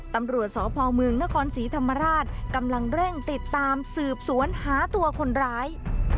ตำรวจสพเมืองนครศรีธรรมราชกำลังเร่งติดตามสืบสวนหาตัวคนร้าย